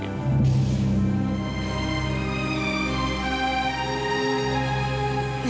dia gak sesuai dengan apa yang aku harapin